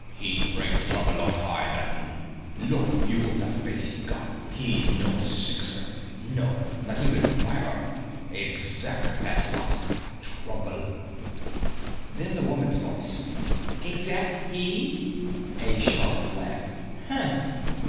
"He bring trouble on high, that'n. Look, you, at the face he got. He no Sixer, no, nor even Fiver. Exec, that's what. Trouble." Then a woman's voice. "Exec, he?" A sharp laugh.